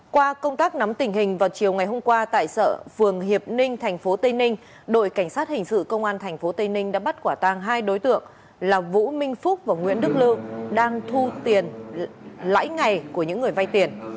qua công tác nắm tình hình vào chiều ngày hôm qua tại sợ phường hiệp ninh tp tây ninh đội cảnh sát hình sự công an tp tây ninh đã bắt quả tang hai đối tượng là vũ minh phúc và nguyễn đức lương đang thu tiền lãi ngày của những người vay tiền